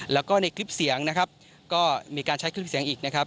แล้วก็ในคลิปเสียงนะครับก็มีการใช้คลิปเสียงอีกนะครับ